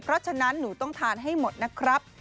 เพราะฉะนั้นหนูต้องทานให้หมดนะครับ